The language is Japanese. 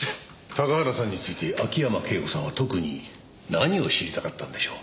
高原さんについて秋山圭子さんは特に何を知りたかったんでしょう？